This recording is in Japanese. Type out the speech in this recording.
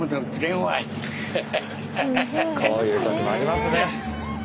こういう時もありますね。